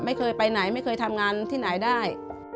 ไม่เคยไปไหนไม่เคยทำงานที่ไหนได้